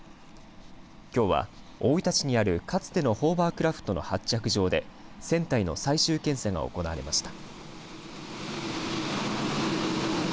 きょうは大分市にあるかつてのホーバークラフトの発着場で船体の最終検査が行われました。